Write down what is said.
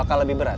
bakal lebih berat